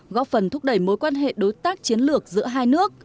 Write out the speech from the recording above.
góp phần thúc đẩy mối quan hệ đối tác chiến lược giữa hai nước